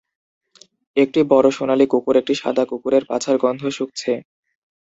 একটি বড় সোনালী কুকুর একটি সাদা কুকুরের পাছার গন্ধ শুঁকছে